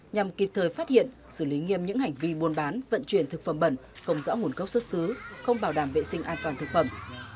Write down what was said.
nhằm kịp thời phát hiện xử lý nghiêm những hành vi buôn bán vận chuyển thực phẩm bẩn không rõ nguồn gốc xuất xứ không bảo đảm vệ sinh an toàn thực phẩm